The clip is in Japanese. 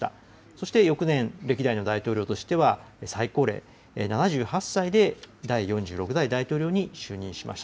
そして翌年、歴代の大統領としては最高齢７８歳で第４６代大統領に就任しまし